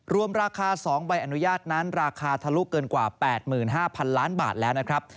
รวมราคา๒ใบอนุญาตนั้นราคาทะลุเกินกว่า๘๕๐๐๐ล้านบาทแล้วนะครับ